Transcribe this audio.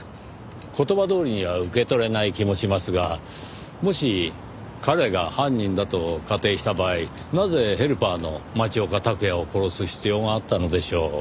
言葉どおりには受け取れない気もしますがもし彼が犯人だと仮定した場合なぜヘルパーの町岡卓也を殺す必要があったのでしょう？